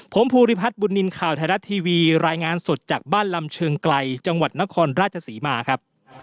ผมภูริพัฒน์บุญนินทร์ข่าวไทยรัฐทีวีรายงานสดจากบ้านลำเชิงไกลจังหวัดนครราชศรีมาครับ